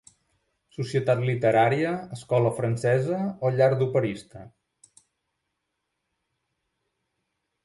Societat literària, escola francesa o llar d'operista.